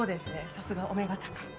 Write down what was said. さすがお目が高い。